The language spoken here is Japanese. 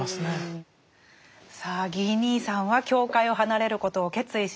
さあギー兄さんは教会を離れることを決意しました。